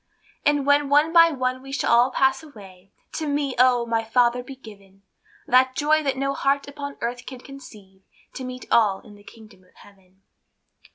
And when one by one we shall all pass away, To me, oh! my Father, be given The joy that no heart upon earth can conceive, To meet all in the kingdom of Heaven.